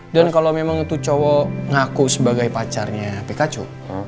dan kalo memang itu cowok ngaku sebagai pacarnya pikachu